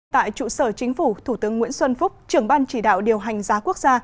tại trụ sở chính phủ thủ tướng nguyễn xuân phúc trưởng ban chỉ đạo điều hành giá quốc gia